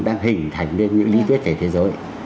đang hình thành nên những lý thuyết về thế giới